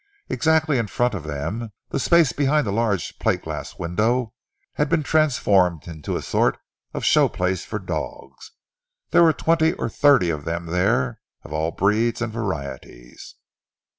Exactly in front of them, the space behind a large plate glass window had been transformed into a sort of show place for dogs. There were twenty or thirty of them there, of all breeds and varieties.